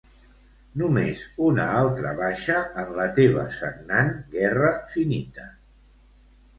Només una altra baixa en la teva sagnant guerra finita.